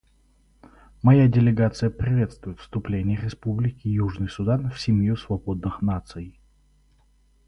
Моя делегация приветствует вступление Республики Южный Судан в семью свободных наций.